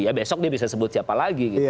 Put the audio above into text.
ya besok dia bisa sebut siapa lagi gitu